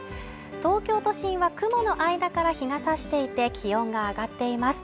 東京都心は雲の間から日が差していて気温が上がっています